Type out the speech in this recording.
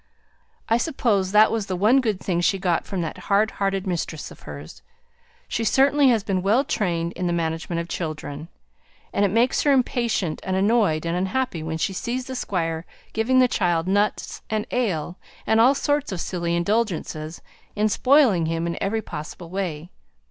I suppose that was the one good thing she got from that hard hearted mistress of hers. She certainly has been well trained in the management of children. And it makes her impatient, and annoyed, and unhappy, when she sees the Squire giving the child nuts and ale, and all sorts of silly indulgences, and spoiling him in every possible way.